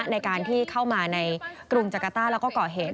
ในการที่เข้ามาในกรุงจักรต้าแล้วก็ก่อเหตุ